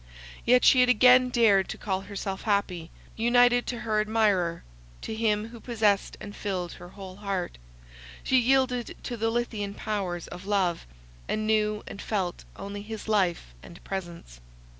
Yet she had again dared to call herself happy; united to her admirer, to him who possessed and filled her whole heart, she yielded to the lethean powers of love, and knew and felt only his life and presence.